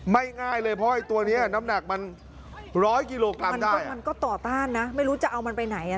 ง่ายเลยเพราะไอ้ตัวนี้น้ำหนักมันร้อยกิโลกรัมมันก็ต่อต้านนะไม่รู้จะเอามันไปไหนอ่ะ